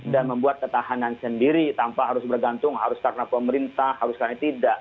dan membuat ketahanan sendiri tanpa harus bergantung harus karena pemerintah harus karena tidak